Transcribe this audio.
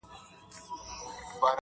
o آس که ټکنى دئ، ميدان يي لنډنى دئ.